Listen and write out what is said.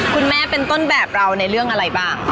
คุณแม่เป็นต้นแบบเราในเรื่องอะไรบ้าง